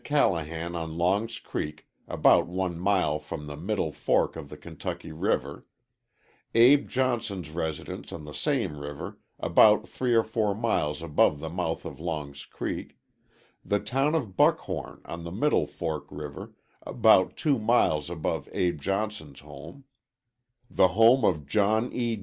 Callahan on Long's Creek, about one mile from the Middle Fork of the Kentucky River; Abe Johnson's residence on the same river, about three or four miles above the mouth of Long's Creek; the town of Buckhorn on the Middle Fork River, about two miles above Abe Johnson's home; the home of John E.